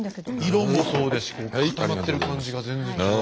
色もそうですし固まってる感じが全然違う。